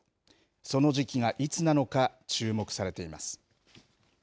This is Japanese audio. その時期がいつなのか、注目されています。